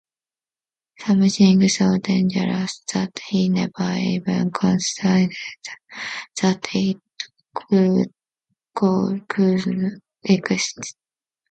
Something so dangerous that he never even considered that it could exist.